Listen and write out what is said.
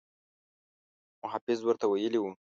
محافظ ورته ویلي وو.